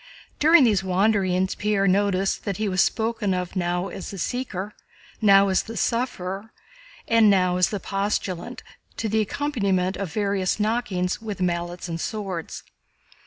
During these wanderings, Pierre noticed that he was spoken of now as the "Seeker," now as the "Sufferer," and now as the "Postulant," to the accompaniment of various knockings with mallets and swords.